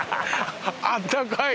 あったかい！